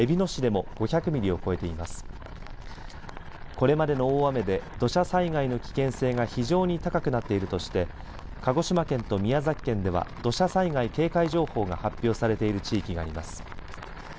これまでの大雨で土砂災害の危険性が非常に高くなっているとして鹿児島県と宮崎県では土砂災害警戒情報が発表されている地域があります。